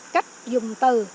cách dùng từ